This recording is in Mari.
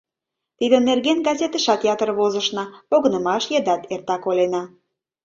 Тидын нерген газетешат ятыр возышна, погынымаш едат эртак ойлена.